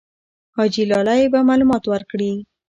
حاجي لالی به معلومات ورکړي.